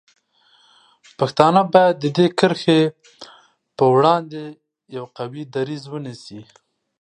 پښتانه باید د دې کرښې په وړاندې یو قوي دریځ ونیسي.